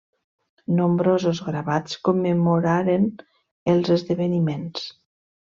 Nombrosos gravats commemoraren els esdeveniments.